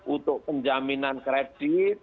untuk penjaminan kredit